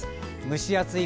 蒸し暑い